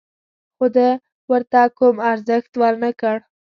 خو ده ورته کوم ارزښت ور نه کړ.